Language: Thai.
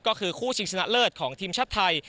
ก็คือคู่ชิงชนะเลิศของทีมชาติไทย